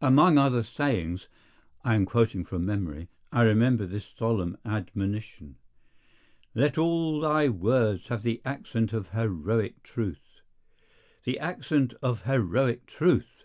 Among other sayings—I am quoting from memory—I remember this solemn admonition: "Let all thy words have the accent of heroic truth." The accent of heroic truth!